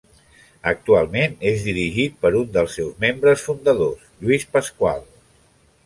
Actualment és dirigit per un dels seus membres fundadors, Lluís Pasqual.